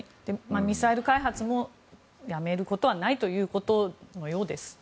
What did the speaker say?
ミサイル開発もやめることはないということです。